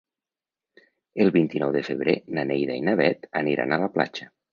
El vint-i-nou de febrer na Neida i na Bet aniran a la platja.